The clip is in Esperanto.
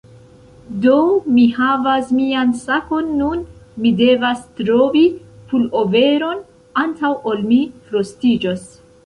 Do, mi havas mian sakon nun mi devas trovi puloveron antaŭ ol mi frostiĝos